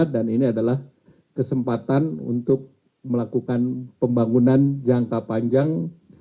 dan ini adalah kesempatan untuk melakukan pembangunan jangka panjang dua ribu dua puluh lima dua ribu empat puluh lima